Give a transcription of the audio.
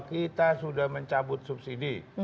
kita sudah mencabut subsidi